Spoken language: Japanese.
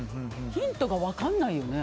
ヒントが分からないよね。